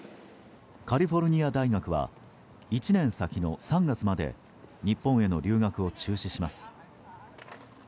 カリフォルニア大学は１年先の３月まで日本への留学を中止します。